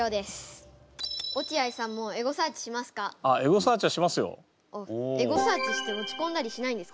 落合さんもエゴサーチしますか？